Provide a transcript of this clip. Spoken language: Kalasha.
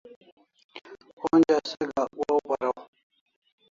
Onja se gak waw paraw